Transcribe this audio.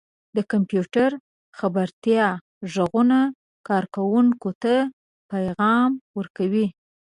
• د کمپیوټر خبرتیا ږغونه کاروونکو ته پیغام ورکوي.